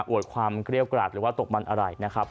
วดความเกรี้ยวกราดหรือว่าตกมันอะไรนะครับ